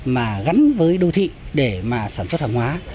mà gắn với đô thị để mà sản xuất hàng hóa